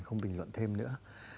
không bình luận thêm nữa